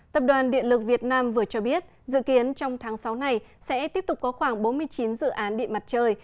tập đoàn điện lực việt nam vừa cho biết dự kiến trong tháng sáu này sẽ tiếp tục có khoảng bốn mươi chín dự án điện mặt trời